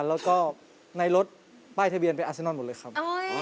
แล้วก็ในรถป้ายทะเบียนเป็นอาเซนอนหมดเลยครับ